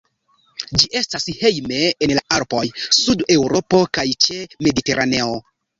Ĝi estas hejme en la Alpoj, Sud-Eŭropo kaj ĉe Mediteraneo.